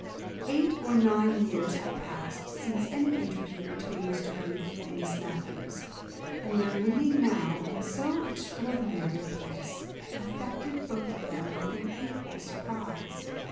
_ Eight or nine years had past since any interview between Mr. Booth and Miss Matthews; and their meeting now in so extraordinary a place affected both of them with an equal surprize.